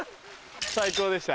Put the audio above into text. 最高でした。